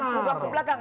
bukan ke belakang